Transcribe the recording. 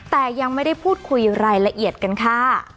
แต่ยังไม่ได้พูดคุยรายละเอียดกันค่ะ